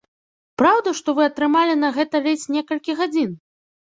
Праўда, што вы атрымалі на гэта ледзь некалькі гадзін?